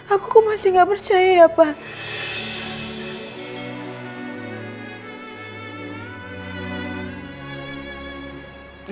aku kok masih gak percaya ya pak